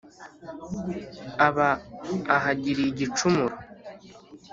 aba ahagiriye igicumuro.